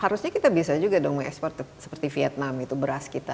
harusnya kita bisa juga dong mengekspor seperti vietnam itu beras kita